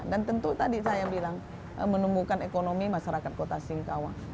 tentu tadi saya bilang menumbuhkan ekonomi masyarakat kota singkawang